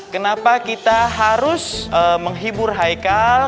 kenapa kita harus menghibur haikal